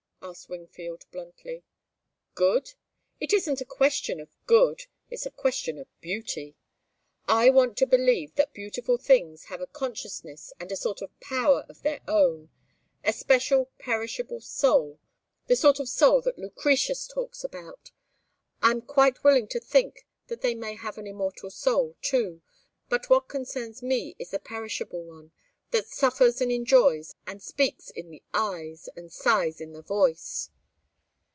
asked Wingfield, bluntly. "Good? It isn't a question of good, it's a question of beauty. I want to believe that beautiful things have a consciousness and a sort of power of their own, a special perishable soul the sort of soul that Lucretius talks about. I'm quite willing to think that they may have an immortal soul, too, but what concerns me is the perishable one, that suffers and enjoys and speaks in the eyes and sighs in the voice."